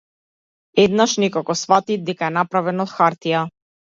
Еднаш некако сфати дека е направен од - хартија.